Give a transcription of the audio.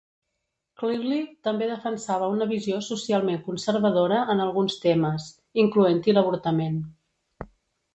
Clearly també defensava una visió socialment conservadora en alguns temes, incloent-hi l'avortament.